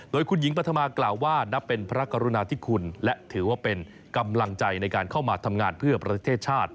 โดยคุณหญิงปฐมากล่าวว่านับเป็นพระกรุณาธิคุณและถือว่าเป็นกำลังใจในการเข้ามาทำงานเพื่อประเทศชาติ